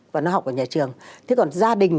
và nó học ở nhà trường thế còn gia đình